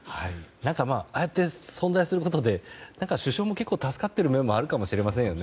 ああやって存在することで首相も結構助かってる面もあるかもしれませんね。